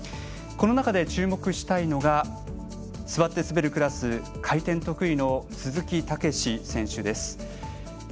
この中で注目したいのが座って滑るクラス回転が得意の鈴木猛史選手です。